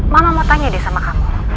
mana mau tanya deh sama kamu